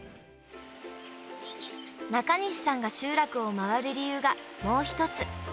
中西さんが集落を回る理由がもう一つ。